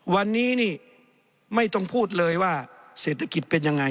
วันนี้นี่ไม่ต้องพูดเลยว่าเศรษฐกิจเป็นยังไง